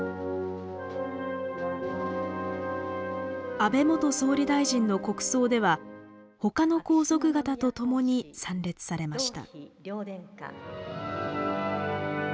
安倍元総理大臣の国葬ではほかの皇族方と共に参列されました。